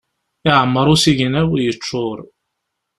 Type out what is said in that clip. Iɛemmer usigna-w, yeččur.